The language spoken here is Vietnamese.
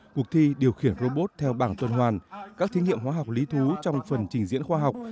cuộc thi điều khiển robot theo bảng tuần hoàn các thí nghiệm hóa học lý thú trong phần trình diễn khoa học